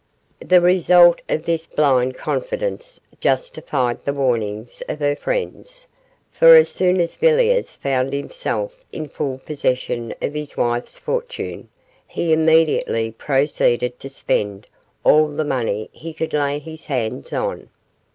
The result of this blind confidence justified the warnings of her friends for as soon as Villiers found himself in full possession of his wife's fortune, he immediately proceeded to spend all the money he could lay his hands on.